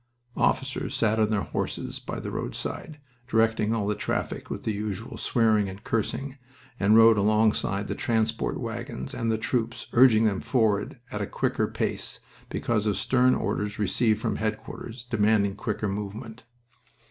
Officers sat on their horses by the roadside, directing all the traffic with the usual swearing and cursing, and rode alongside the transport wagons and the troops, urging them forward at a quicker pace because of stern orders received from headquarters demanding quicker movement.